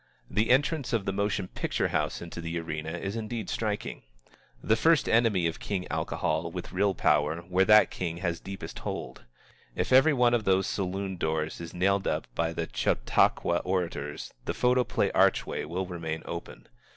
The entrance of the motion picture house into the arena is indeed striking, the first enemy of King Alcohol with real power where that king has deepest hold. If every one of those saloon doors is nailed up by the Chautauqua orators, the photoplay archway will remain open.